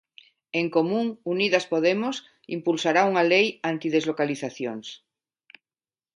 En Común–Unidas Podemos impulsará unha lei antideslocalizacións.